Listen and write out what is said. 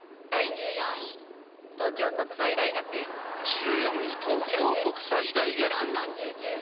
１４位、東京国際大学。